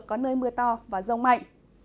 có nơi mưa to và rông mạnh